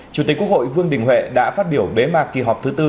chủ tịch quốc hội vương đình huệ đã phát biểu bế mạc kỳ họp thứ tư